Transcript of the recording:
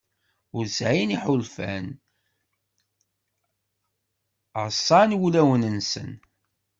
Ur sɛin iḥulfan, ɛṣan wulawen-nsen.